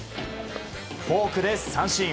フォークで三振。